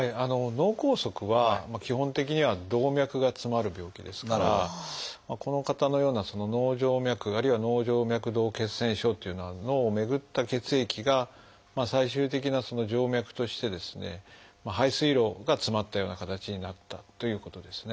脳梗塞は基本的には動脈が詰まる病気ですからこの方のような脳静脈あるいは脳静脈洞血栓症っていうのは脳を巡った血液が最終的な静脈として排水路が詰まったような形になったということですね。